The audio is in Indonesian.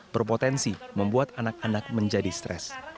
berpotensi membuat anak anak menjadi stres